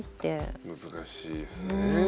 難しいですね。